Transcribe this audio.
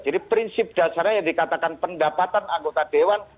jadi prinsip dasarnya yang dikatakan pendapatan anggota dewan